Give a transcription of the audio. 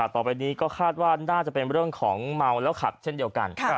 ต่อไปนี้ก็คาดว่าน่าจะเป็นเรื่องของเมาแล้วขับเช่นเดียวกัน